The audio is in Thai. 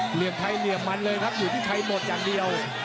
เหลี่ยมไทยเหลี่ยมมันเลยครับอยู่ที่ไทยหมดอย่างเดียว